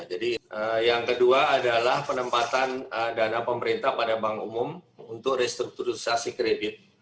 jadi yang kedua adalah penempatan dana pemerintah pada bank umum untuk restrukturisasi kredit